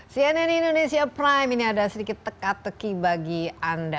cnn indonesia prime ini ada sedikit teka teki bagi anda